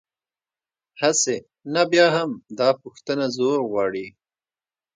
هسې، نه بیا هم، دا پوښتنه زور غواړي.